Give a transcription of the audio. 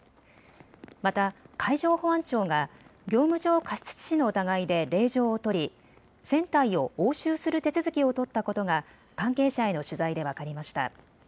また海上保安庁が業務上過失致死の疑いで令状を取り船体を押収する手続きを取ったことが関係者への取材で分かりました。